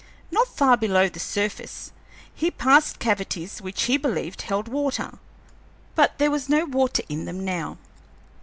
Not far below the surface he passed cavities which he believed held water; but there was no water in them now.